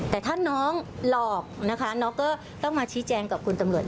แต่ถ้าน้องหลอกนะคะน้องก็ต้องมาชี้แจงกับคุณตำรวจ